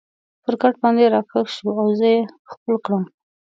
پر کټ باندې را کږ شو او زه یې ښکل کړم.